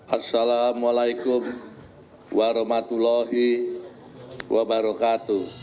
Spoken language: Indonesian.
assalamualaikum warahmatullahi wabarakatuh